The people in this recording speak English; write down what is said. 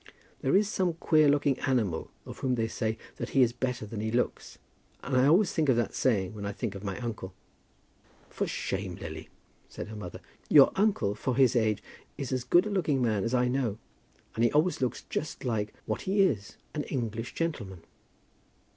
"There is some queer looking animal of whom they say that he is better than he looks, and I always think of that saying when I think of my uncle." "For shame, Lily," said her mother. "Your uncle, for his age, is as good a looking man as I know. And he always looks like just what he is, an English gentleman."